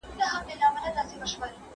ځینې بدلون ته تمه لري.